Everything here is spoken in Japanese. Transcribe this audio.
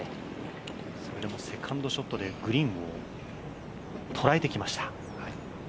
それでもセカンドショットでグリーンを捉えてきました。